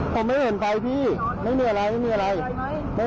ผมไม่เห็นไฟพี่ไม่มีอะไรไม่มีอะไร